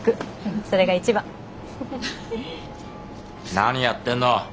何やってんの？